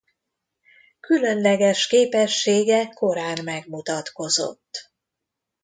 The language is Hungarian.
Különleges képessége korán megmutatkozott.